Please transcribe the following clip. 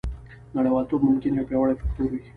نړیوالتوب ممکن یو پیاوړی فکتور وي